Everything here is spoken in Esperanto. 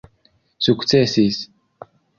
sukcesis